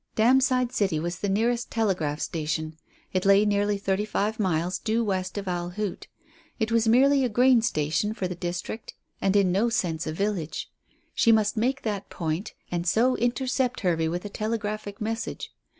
Damside City was the nearest telegraph station. It lay nearly thirty five miles due west of Owl Hoot It was merely a grain station for the district and in no sense a village. She must make that point and so intercept Hervey with a telegraphic message.